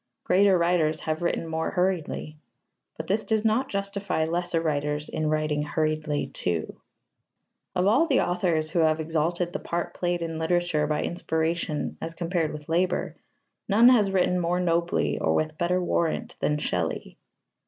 Greater writers have written more hurriedly. But this does not justify lesser writers in writing hurriedly too. Of all the authors who have exalted the part played in literature by inspiration as compared with labour, none has written more nobly or with better warrant than Shelley.